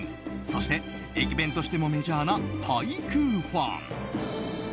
そして、駅弁としてもメジャーなパイクーファン。